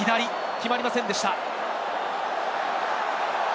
決まりませんでした。